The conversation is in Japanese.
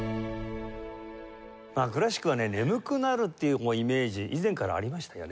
クラシックはね眠くなるっていうイメージ以前からありましたよね。